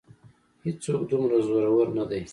هېڅ څوک دومره زورور نه دی.